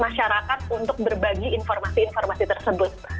masyarakat untuk berbagi informasi informasi tersebut